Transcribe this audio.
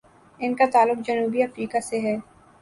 ان کا تعلق جنوبی افریقہ سے ہے۔